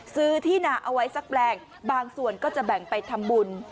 ซื้อที่นาเอาไว้สักแปลงบางส่วนก็จะแบ่งไปทำบุญ